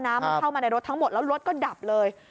มาเข้ามาในรถทั้งหมดแล้วรถก็ดับเลย